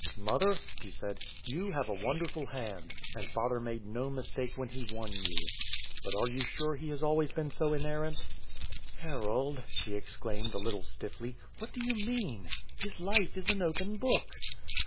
"Mother," he said, "you have a wonderful hand. And father made no mistake when he won you. But are you sure he has always been so inerrant?" "Harold," she exclaimed, a little stiffly, "what do you mean? His life is an open book."